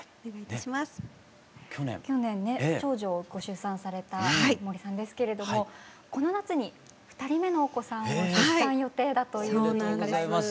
去年ね長女をご出産された杜さんですけれどもこの夏に２人目のお子さんを出産予定だということなんです。